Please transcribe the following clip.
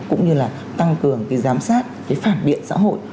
cũng như là tăng cường cái giám sát cái phản biện xã hội